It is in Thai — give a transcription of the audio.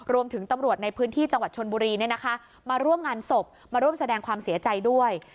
รวมถึงตำรวจในพื้นที่จังหวัดชนบุรีมาร่วมงานศพมาร่วมแสดงความเสียใจด้วย